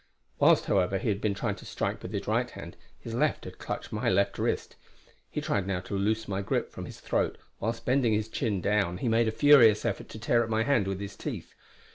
Whilst, however, he had been trying to strike with his right hand, his left had clutched my left wrist. He tried now to loose my grasp from his throat, whilst bending his chin down he made a furious effort to tear at my hand with his teeth.